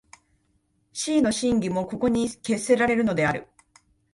思惟の真偽もここに決せられるのである。